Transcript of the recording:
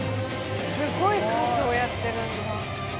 すごい数をやってるんだ。